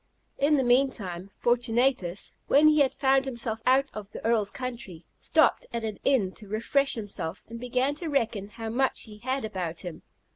In the meantime, Fortunatus, when he found himself out of the Earl's country, stopped at an inn to refresh himself, and began to reckon how much he had about him.